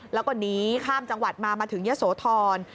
แล้วก็หนีข้ามจังหวัดมามาถึงยะโสธร